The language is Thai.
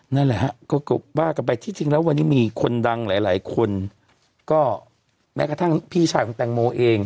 นั่นแหละฮะก็ว่ากันไปที่จริงแล้ววันนี้มีคนดังหลายหลายคนก็แม้กระทั่งพี่ชายของแตงโมเอง